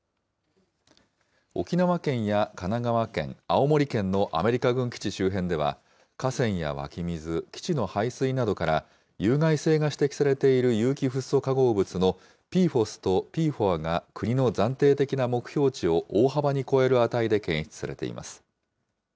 沖縄県や神奈川県、青森県のアメリカ軍基地周辺では、河川や湧き水、基地の排水などから、有害性が指摘されている有機フッ素化合物のＰＦＯＳとＰＦＯＡが国の暫定的な目標値を大幅に超える値で検出されています。